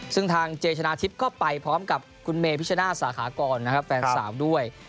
ซึ่งทางเจชนะอาทิตย์ก็ไปพร้อมกับคุณเมพิชชนะสาขากรแฟนสามด้วย